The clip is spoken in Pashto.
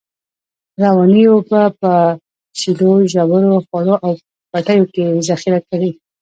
روانې اوبه په په شیلو، ژورو، خوړو او پټیو کې ذخیره کړی.